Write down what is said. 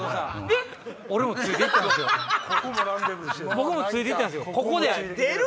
僕もついて行ったんすよ。